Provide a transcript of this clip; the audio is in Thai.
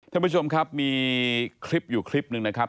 ท่านผู้ชมครับมีคลิปอยู่คลิปหนึ่งนะครับ